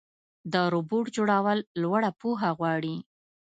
د روبوټ جوړول لوړه پوهه غواړي.